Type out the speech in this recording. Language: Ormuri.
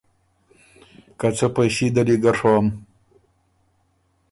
که څۀ پئݭي ده لی ګۀ ڒوم